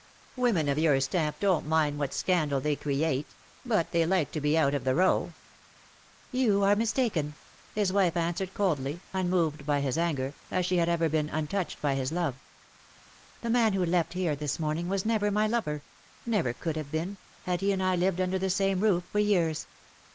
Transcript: Women of your stamp don't mind what scandal VOL. III. u 290 ^' SHE STOOD UP IN BITTER CASE, they create, but they like to be out of the row/'' " You are mistaken/^ his wife answered, coldly, unmoved by his anger, as she had ever been un touched by his love. " The man who left here this morning was never my lover — never could have been, had he and I lived under the same roof for years.